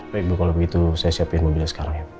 baik bu kalau begitu saya siapin mobilnya sekarang ya